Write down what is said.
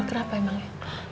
kenapa emang ya